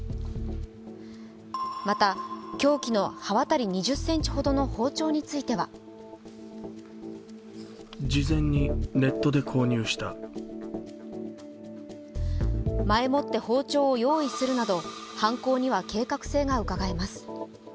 また、凶器の刃渡り２０ｃｍの包丁については前もって包丁を用意するなど、犯行には計画性がうかがえます。